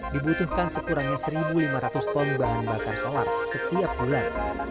dibutuhkan sekurangnya satu lima ratus ton bahan bakar solar setiap bulan